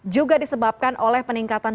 juga disebabkan oleh peningkatan